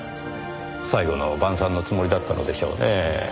最後の晩餐のつもりだったのでしょうねぇ。